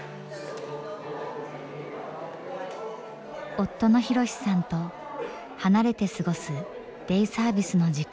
夫の博さんと離れて過ごすデイサービスの時間。